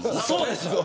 そうです。